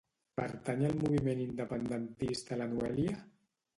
Pertany al moviment independentista la Noèlia?